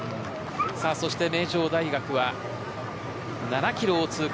そして名城大学は７キロを通過。